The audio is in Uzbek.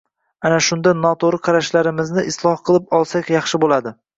Mana shunday noto‘g‘ri qarashlarimizni isloh qilib olsak, yaxshi bo‘ladi.